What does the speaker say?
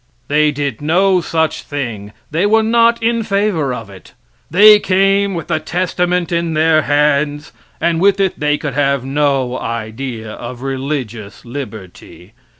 They did no such thing. They were not in favor of it. They came with the Testament in their hands, and with it they could have no idea of religious liberty.